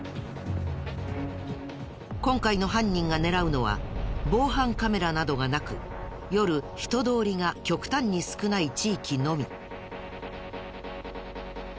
今回の犯人が狙うのは防犯カメラなどがなく夜人通りが極端に少ない地域のみ。